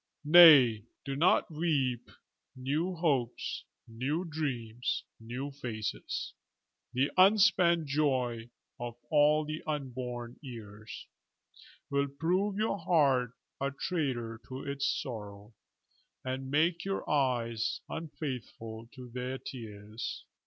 Nay, do not weep; new hopes, new dreams, new faces, The unspent joy of all the unborn years, Will prove your heart a traitor to its sorrow, And make your eyes unfaithful to their tears.